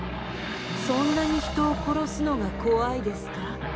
そんなに人を殺すのが怖いですか？